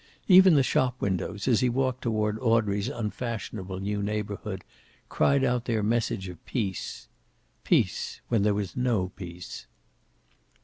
Even the shop windows, as he walked toward Audrey's unfashionable new neighborhood, cried out their message of peace. Peace when there was no peace.